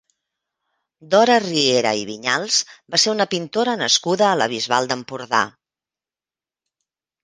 Dora Riera i Viñals va ser una pintora nascuda a la Bisbal d'Empordà.